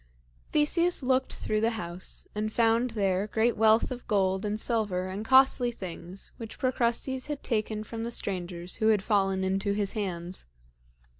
Theseus looked through the house and found there great wealth of gold and silver and costly things which Procrustes had taken from the strangers who had fallen into his hands.